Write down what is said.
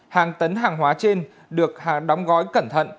hàng tấn hàng hóa trên được hàng đóng gói cẩn thận